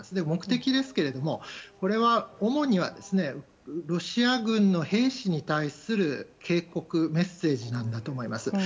目的ですけれども、これは主にはロシア軍の兵士に対する警告、メッセージなんだと思います。